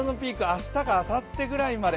明日かあさってくらいまで。